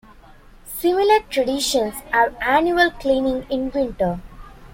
Similar traditions have annual cleaning in winter.